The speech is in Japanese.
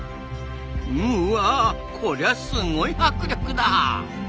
うわこりゃすごい迫力だ！